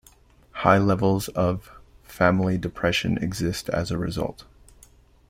High levels of family depression exist as a result.